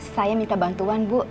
saya minta bantuan bu